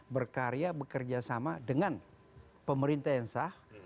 berkarya bekerja sama dengan pemerintah yang sah